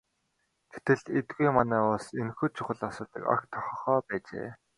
Гэтэл эдүгээ манай улс энэхүү чухал асуудлыг огт тоохоо байжээ.